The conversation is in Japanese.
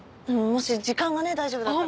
もし時間がね大丈夫だったら。